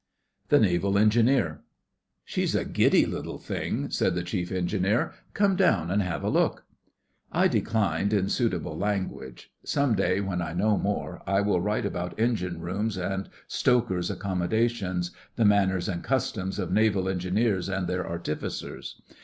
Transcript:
THE NAVAL ENGINEER 'She's a giddy little thing,' said the Chief Engineer. 'Come down and have a look.' I declined in suitable language. Some day, when I know more, I will write about engine rooms and stokers' accommodation—the manners and customs of Naval Engineers and their artificers.